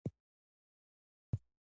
ښځه باید د خاوند د نوم او مال ساتنه وکړي.